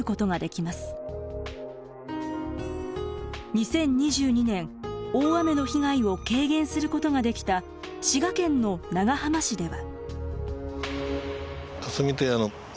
２０２２年大雨の被害を軽減することができた滋賀県の長浜市では。